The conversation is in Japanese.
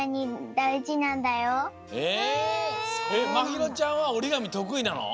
まひろちゃんはおりがみとくいなの？